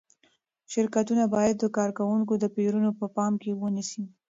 شرکتونه باید د کارکوونکو توپیرونه په پام کې ونیسي.